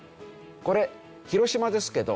これ広島ですけど。